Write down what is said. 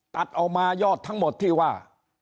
ตัดออกมายอดทั้งหมดที่ว่า